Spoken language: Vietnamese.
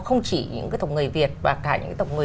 không chỉ những cái tộc người việt và cả những cái tộc người